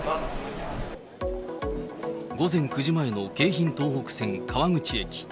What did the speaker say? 午前９時前の京浜東北線川口駅。